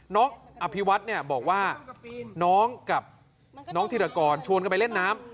น้องอภิวัฒน์เนี่ยบอกว่าน้องกับน้องธิรกรชวนกันไปเล่นน้ำ